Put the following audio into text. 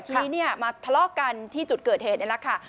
ทีนี้เนี่ยมาทะเลาะกันที่จุดเกิดเหตุนี่แหละค่ะ